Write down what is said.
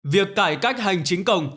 việc cải cách hành chính công